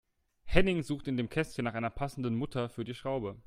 Henning sucht in dem Kästchen nach einer passenden Mutter für die Schraube.